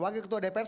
wah gek ketua dpr